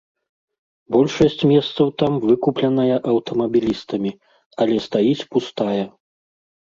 Большасць месцаў там выкупленая аўтамабілістамі, але стаіць пустая.